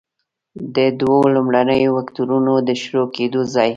د دوو لومړنیو وکتورونو د شروع کیدو ځای.